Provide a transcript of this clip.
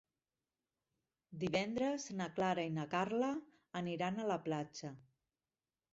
Divendres na Clara i na Carla aniran a la platja.